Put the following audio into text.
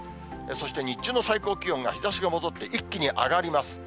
そして日中の最高気温が日ざしが戻って、一気に上がります。